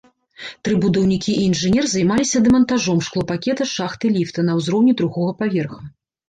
Тры будаўнікі і інжынер займаліся дэмантажом шклопакета шахты ліфта на ўзроўні другога паверха.